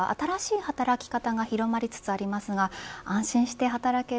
今、副業ですとか新しい働き方が広まりつつありますが安心して働ける